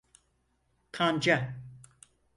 Kanca…